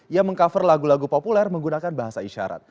ia meng cover lagu lagu populer menggunakan bahasa isyarat